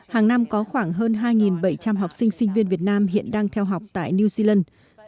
hàng năm có khoảng hơn hai bảy trăm linh học sinh sinh viên việt nam hiện đang theo học tại new zealand